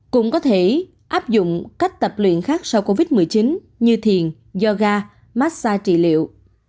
cũng có thể áp dụng cách tập luyện khác sau covid một mươi chín như thiền yoga massage trị liệu